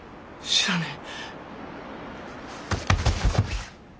知らねえよ！